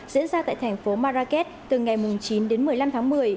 diễn ra tại thành phố marrakesh từ ngày chín đến một mươi năm tháng một mươi